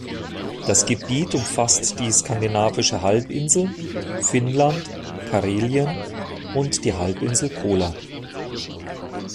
Das Gebiet umfasst die skandinavische Halbinsel, Finnland, Karelien und die Halbinsel Kola.